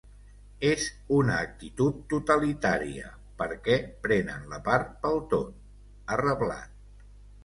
És una actitud totalitària perquè prenen la part pel tot, ha reblat.